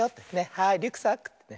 はいリュックサックってね。